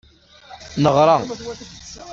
Neɣra.